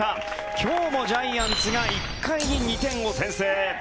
今日もジャイアンツが１回に２点を先制。